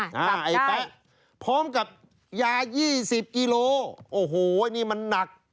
จับได้พร้อมกับยา๒๐กิโลกรัมโอ้โหอันนี้มันนัก